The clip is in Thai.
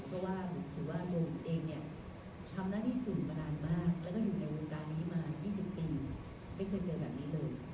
เพราะว่าถือว่าโบนเองเนี่ยทำหน้าที่สื่อมานานมากแล้วก็อยู่ในวงการนี้มา๒๐ปีไม่เคยเจอแบบนี้เลย